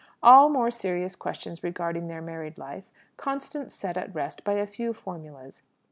All more serious questions regarding their married life Constance set at rest by a few formulas.